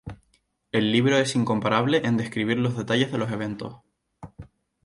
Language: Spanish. El libro es incomparable en describir los detalles de los eventos.